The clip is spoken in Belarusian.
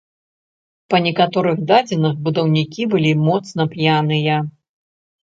Па некаторых дадзеных, будаўнікі былі моцна п'яныя.